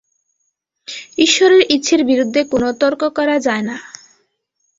ঈশ্বরের ইচ্ছের বিরুদ্ধে কোন তর্ক করা যায় না!